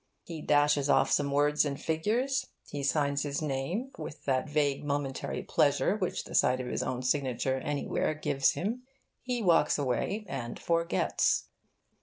He dashes off some words and figures, he signs his name (with that vague momentary pleasure which the sight of his own signature anywhere gives him), he walks away and forgets.